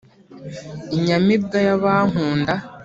Inyamibwa y’abankunda